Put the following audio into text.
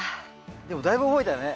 でもだいぶ覚えたよね。